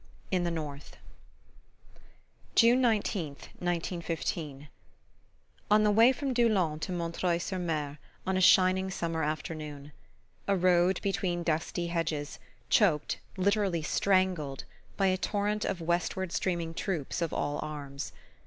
IN THE NORTH June 19th, 1915. On the way from Doullens to Montreuil sur Mer, on a shining summer afternoon. A road between dusty hedges, choked, literally strangled, by a torrent of westward streaming troops of all arms.